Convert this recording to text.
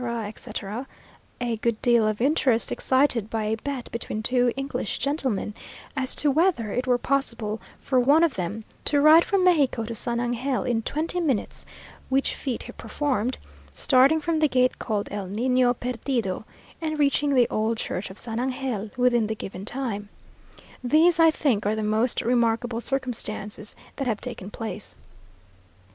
etc., a good deal of interest excited by a bet between two English gentlemen, as to whether it were possible for one of them to ride from Mexico to San Angel in twenty minutes, which feat he performed, starting from the gate called "El Niño Perdido," and reaching the old church of San Angel within the given time; these I think are the most remarkable circumstances that have taken place.